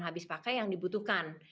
habis pakai yang dibutuhkan